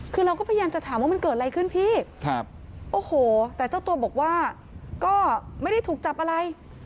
คือเราก็พยายามจะถามว่ามันเกิดอะไรขึ้นพี่โอ้โหแต่เจ้าตัวบอกว่าก็ไม่ได้ถูกจับอะไร